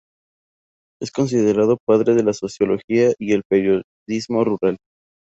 Es considerado padre de la sociología y el periodismo rural.